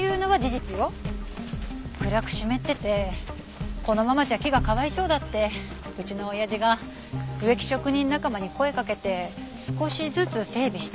暗く湿っててこのままじゃ木がかわいそうだってうちのおやじが植木職人仲間に声かけて少しずつ整備してきた。